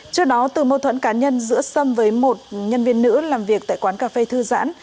trước đó từ mâu thuẫn cá nhân giữa sâm với một nhân viên nữ làm việc tại quán cà phê thư giãn